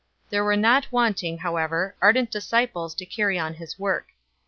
There were not wanting however ardent disciples to carry on his work.